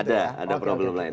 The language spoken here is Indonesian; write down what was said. ada ada problem lain